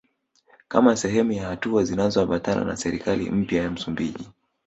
Kama sehemu ya hatua zinazoambatana na serikali mpya ya Msumbiji